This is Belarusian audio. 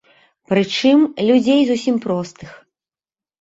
Прычым, людзей зусім простых.